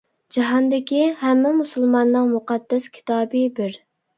جاھاندىكى ھەممە مۇسۇلماننىڭ مۇقەددەس كىتابى بىر.